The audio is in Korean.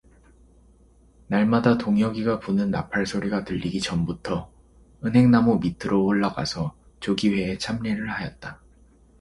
날마다 동혁이가 부는 나팔 소리가 들리기 전부터 은행나무 밑으로 올라가서 조기회에 참례를 하였다.